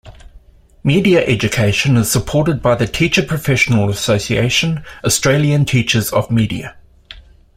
Media education is supported by the teacher professional association Australian Teachers of Media.